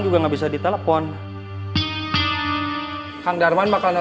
gak ada yang kabur